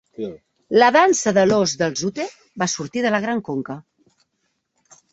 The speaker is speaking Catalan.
La dansa de l'ós dels Ute va sortir de la Gran Conca.